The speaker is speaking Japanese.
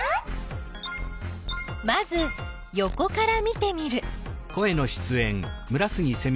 まずよこから見てみる。